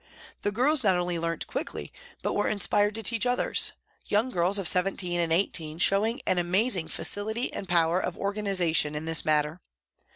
The girls not only learnt quickly, but were inspired to teach others, young girls of seventeen and eighteen showing an amazing facility and power of organisation in this matter.